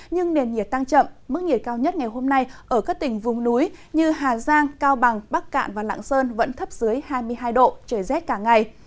nhưng nền nhiệt tăng chậm mức nhiệt cao nhất ngày hôm nay ở các tỉnh vùng núi như hà giang cao bằng bắc cạn và lạng sơn vẫn thấp dưới hai mươi hai độ trời rét cả ngày